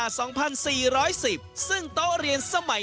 อ่า